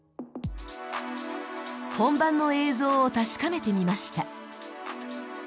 本番の映像を確かめてみました。